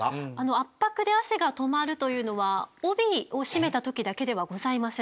圧迫で汗がとまるというのは帯を締めた時だけではございません。